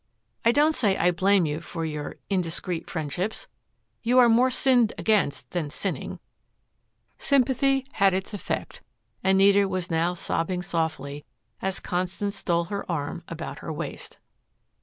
"I don't say I blame you for your indiscreet friendships. You are more sinned against than sinning." Sympathy had its effect. Anita was now sobbing softly, as Constance stole her arm about her waist.